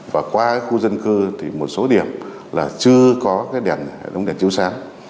và qua khu dân cư thì một số điểm là chưa có cái đèn đúng đèn chiếu sáng